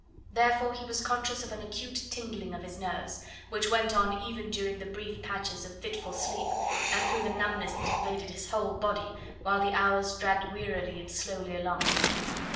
Therefore he was conscious of an acute tingling of his nerves, which went on even during the brief patches of fitful sleep, and through the numbness that invaded his whole body while the hours dragged wearily and slowly along.